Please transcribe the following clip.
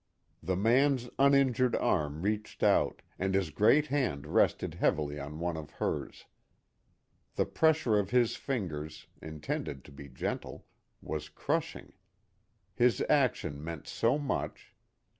The man's uninjured arm reached out, and his great hand rested heavily on one of hers. The pressure of his fingers, intended to be gentle, was crushing. His action meant so much.